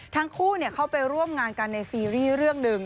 ทั้งคู่เข้าไปร่วมงานกันในซีรีส์เรื่องหนึ่ง